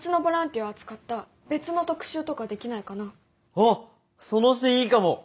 おっその視点いいかも！